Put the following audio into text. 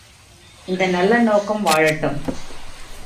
இந்த நல்ல நோக்கம் வாழட்டும்!